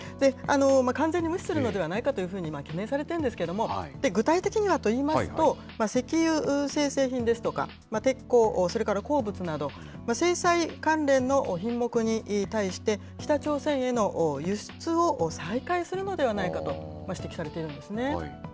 完全に無視するのではないかというふうに、懸念されてるんですけれども、具体的にはといいますと、石油精製品ですとか、鉄鋼、それから鉱物など、制裁関連の品目に対して、北朝鮮への輸出を再開するのではないかと指摘されているんですね。